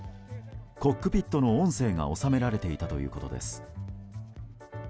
コックピットの音声が収められていたということです。